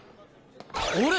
あれ？